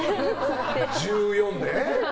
１４で？